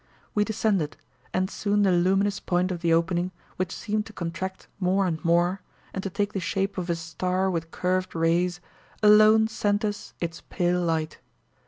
We descended, and soon the luminous point of the opening, which seemed to contract more and more, and to take the shape of a star with curved rays, alone sent us its pale light.